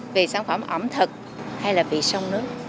vì sản phẩm ẩm thực hay là vị sông nước